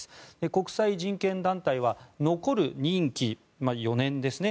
国際人権団体は残る任期、４年ですね。